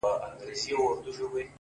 خو زما هيلې له ما نه مرورې’